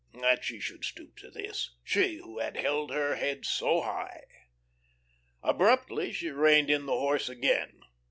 That she should stoop to this! She who had held her head so high. Abruptly she reined in the horse again.